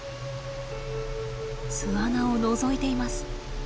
巣穴をのぞいています。